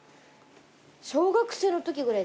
小学生のときぐらい。